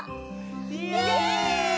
イエイ！